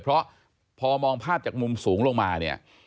เพราะพอมองภาพจากมุมสูงลงมาเนี่ย